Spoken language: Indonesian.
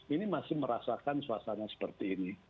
ini masih merasakan suasana seperti ini